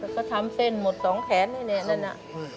ก็ทำเส้นหมด๒แขนแน่นั่นอะ